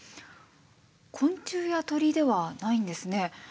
昆虫や鳥ではないんですね。